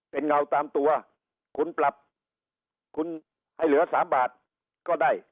เป็นเงาตามตัวคุณปรับคุณให้เหลือ๓บาทก็ได้